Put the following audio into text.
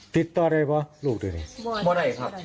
ติดต่อได้ป่ะลูกเหมือนงั้น